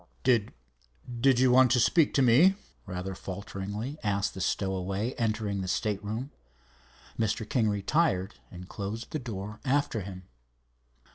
"Did—did you want to speak to me?" rather falteringly asked the stowaway, entering the stateroom. Mr. King retired and closed the door after him.